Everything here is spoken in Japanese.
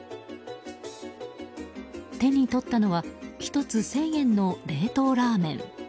手に取ったのは１つ１０００円の冷凍ラーメン。